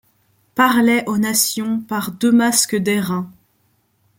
Parlait aux nations par deux masques d'airain